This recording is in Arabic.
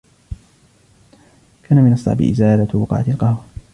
كان من الصعب إزالة بقعة القهوة.